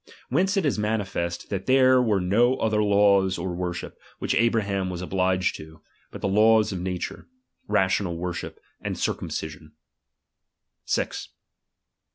Whence it is manifest, that there were no other laws or worship, which Abra ham was obliged to, but the laws of nature, ra tional worship, and circumcision. "K 6.